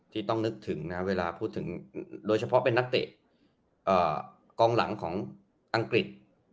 ที่ต้องนึกถึงนะเวลาพูดถึงโดยเฉพาะเป็นนักเตะกองหลังของอังกฤษ